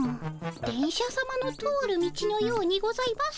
電車さまの通る道のようにございます。